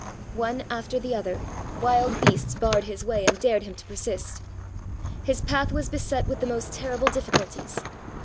One after the other, wild beasts barred his way and dared him to persist. His path was beset with the most terrible difficulties.